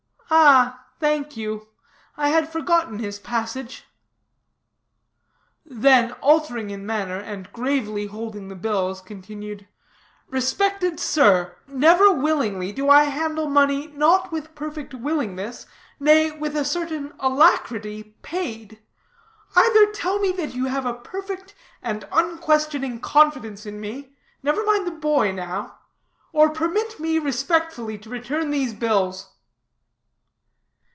"Ah, thank you. I had forgotten his passage;" then, altering in manner, and gravely holding the bills, continued: "Respected sir, never willingly do I handle money not with perfect willingness, nay, with a certain alacrity, paid. Either tell me that you have a perfect and unquestioning confidence in me (never mind the boy now) or permit me respectfully to return these bills."